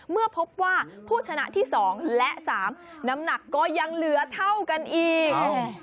เมื่อพบว่าผู้ชนะที่๒และ๓น้ำหนักก็ยังเหลือเท่ากันอีก